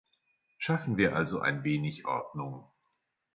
Schaffen wir also ein wenig Ordnung.